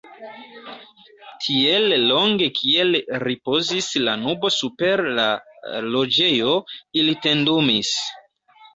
Tiel longe kiel ripozis la nubo super la Loĝejo, ili tendumis.